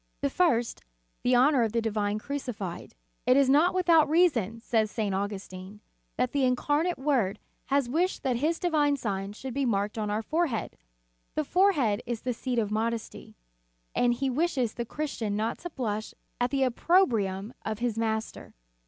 The first, the honor of the Divine Crucified. "It is not without reason," says St. Augustin, "that the Incarnate Word has wished that His divine sign should be marked on our forehead. The forehead is the seat of modesty, and He wishes the Christian not to blush at the opprobrium of his Master.